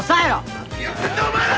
何やってんだお前ら！